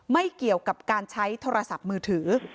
ไม่เกี่ยวกับการใช้โทรศัพท์มือถือ